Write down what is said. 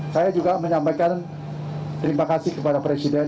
saya juga menyampaikan terima kasih kepada presiden